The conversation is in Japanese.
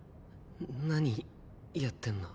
何やってんの？